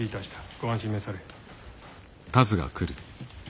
ご安心めされ。